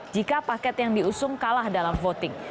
jika paket yang diusung kalah dalam voting